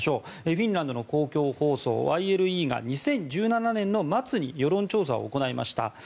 フィンランドの公共放送ＹＬＥが２０１７年の末に世論調査を行いました。